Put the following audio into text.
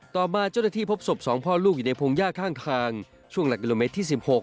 ต่อมาเจ้าหน้าที่พบศพ๒พ่อลูกอยู่ในพงหญ้าข้างทางช่วงหลักกิโลเมตรที่๑๖